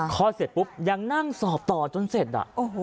เสร็จปุ๊บยังนั่งสอบต่อจนเสร็จ